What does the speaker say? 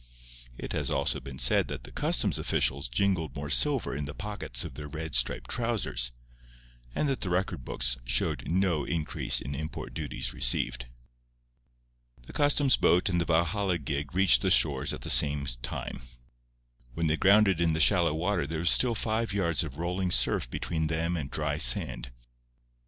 It has also been said that the customs officials jingled more silver in the pockets of their red striped trousers, and that the record books showed no increase in import duties received. The customs boat and the Valhalla gig reached the shore at the same time. When they grounded in the shallow water there was still five yards of rolling surf between them and dry sand.